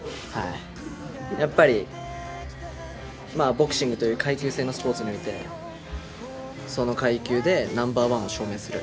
やっぱり、ボクシングという階級制のスポーツにおいてその階級でナンバーワンを証明する。